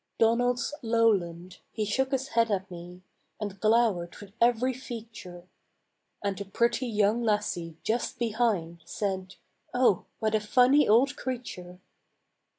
Donald's lowland, he shook his head at me, And glowered with every feature, And a pretty young lassie just behind Said: "Oh, what a funny old creature!"